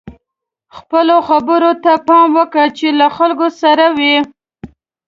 خپلو خبرو ته پام کوه چې له خلکو سره وئ.